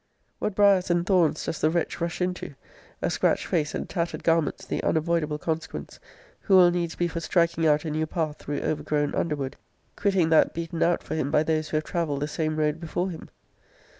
What briars and thorns does the wretch rush into (a scratched face and tattered garments the unavoidable consequence) who will needs be for striking out a new path through overgrown underwood; quitting that beaten out for him by those who have travelled the same road before him!